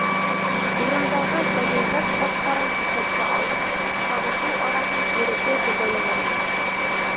Урындағы тәбиғәт шарттарын иҫәпкә алып, сабышыу араһын ирекле билдәләгәндәр.